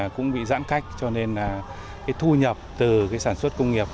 cũng bị giãn cách cho nên thu nhập từ sản xuất công nghiệp